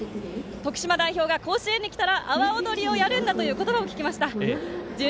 徳島商業が甲子園にきたら阿波おどりをやるんだと聞きました。